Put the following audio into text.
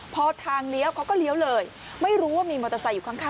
พอทางเลี้ยวเขาก็เลี้ยวเลยไม่รู้ว่ามีมอเตอร์ไซค์อยู่ข้าง